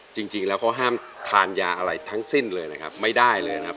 จริงแล้วเขาห้ามทานยาอะไรทั้งสิ้นเลยนะครับไม่ได้เลยนะครับ